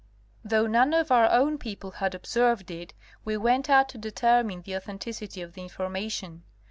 Though none of our own people had observed it, we went out to determine the authenticity of the information.